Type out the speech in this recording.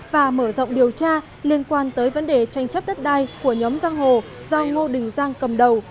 và mở rộng điều tra liên quan tới vấn đề tranh chấp đất đai của nhóm giang hồ do ngô đình giang cầm đầu